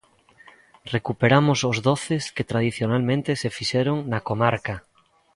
"Recuperamos os doces que tradicionalmente se fixeron na comarca".